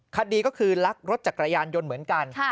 คดีก็คือลักรถจักรยานยนต์เหมือนกัน